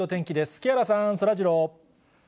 木原さん、そらジロー。